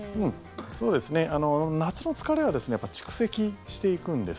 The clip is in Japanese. そうですね、夏の疲れは蓄積していくんです。